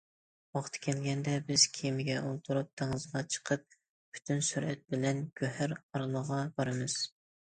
ۋاقتى كەلگەندە بىز كېمىگە ئولتۇرۇپ دېڭىزغا چىقىپ پۈتۈن سۈرئەت بىلەن گۆھەر ئارىلىغا بارىمىز.